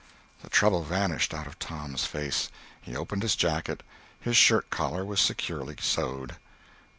The trouble vanished out of Tom's face. He opened his jacket. His shirt collar was securely sewed.